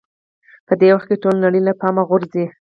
په دې وخت کې ټوله نړۍ له پامه غورځوئ.